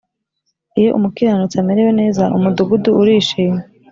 iyo umukiranutsi amerewe neza umudugudu urishima,